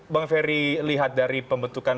bang ferry lihat dari pembentukan